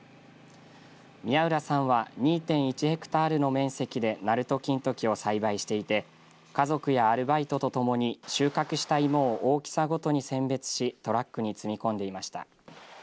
宮浦さんは２．１ヘクタールの面積でなると金時を栽培していて家族やアルバイトとともに収穫したイモを大きさごとに選別し、トラックに積み込んでいました。